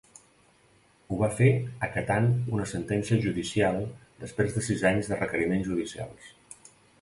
Ho va fer acatant una sentència judicial després de sis anys de requeriments judicials.